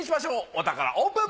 お宝オープン！